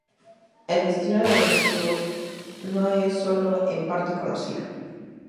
El destino de los archivos nos es solo en parte conocido.